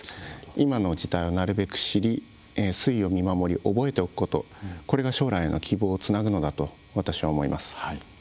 今の事態を、なるべく推移を見守り覚えておくことがこれが将来への希望をつなぐのだと私は思います。